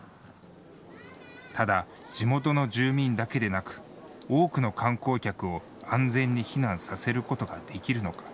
ただ、地元の住民だけでなく多くの観光客を安全に避難させることができるのか。